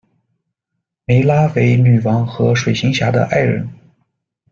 湄拉为女王和水行侠的爱人。